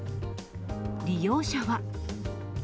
利用者は。